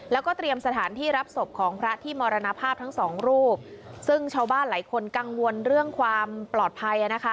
แล้วก็เตรียมสถานที่รับศพของพระที่มรณภาพทั้งสองรูปซึ่งชาวบ้านหลายคนกังวลเรื่องความปลอดภัย